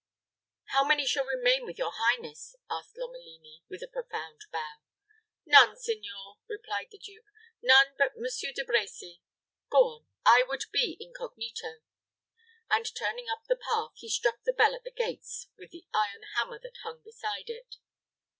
"How many shall remain with your highness?" asked Lomelini, with a profound bow. "None, signor," replied the duke; "none but Monsieur De Brecy. Go on I would be incognito;" and turning up the path, he struck the bell at the gates with the iron hammer that hung beside it.